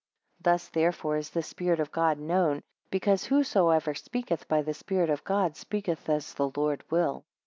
8 Thus therefore is the spirit, of God known, because whosoever speaketh by the Spirit of God, speaketh as the Lord will.